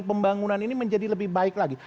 pembangunan ini menjadi lebih baik lagi